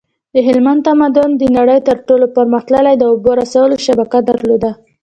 د هلمند تمدن د نړۍ تر ټولو پرمختللی د اوبو رسولو شبکه درلوده